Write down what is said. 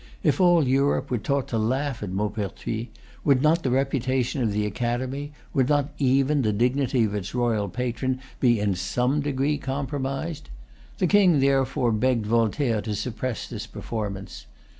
If all Europe were taught to laugh at Maupertuis, would not the reputation of the Academy, would not even the dignity of its royal patron, be in some degree compromised? The King, therefore, begged Voltaire to suppress this performance.